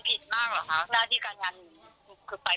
พี่คะแล้วหนูก็พูดกับเขาพูดกับพ่อเขาแล้วว่าหนูก็คือจะหยุด